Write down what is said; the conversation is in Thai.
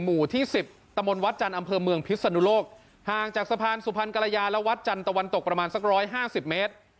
หมู่ที่สิบตะมนต์วัดจันทร์อำเภอเมืองพิศนุโลกห่างจากสะพานสุพรรณกรยาและวัดจันทร์ตะวันตกประมาณสักร้อยห้าสิบเมตร